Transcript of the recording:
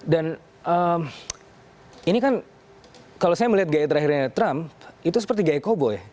dan ini kan kalau saya melihat gaya terakhirnya trump itu seperti gaya koboi